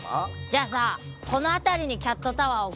じゃあさこの辺りにキャットタワー置くのはどう？